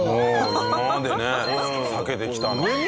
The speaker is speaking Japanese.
今までね避けてきたのに。